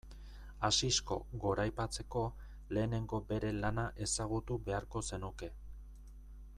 Asisko goraipatzeko lehenengo bere lana ezagutu beharko zenuke.